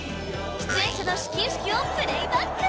出演者の始球式をプレイバック。